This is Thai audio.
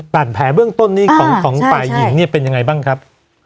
บาดแผลเบื้องต้นนี้ของฝ่ายหญิงเนี่ยเป็นยังไงบ้างครับ